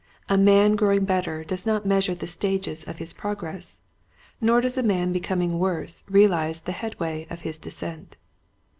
A man growing better does not measure the stages of his prog ress, nor does a man becoming worse realize the headway of his descent.